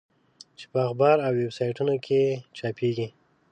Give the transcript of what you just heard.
چې په اخبار او ویب سایټونو کې چاپېږي.